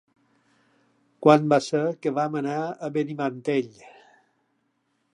Quan va ser que vam anar a Benimantell?